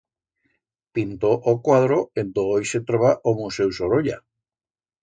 Pintó o cuadro en do hoi se troba o museu Sorolla.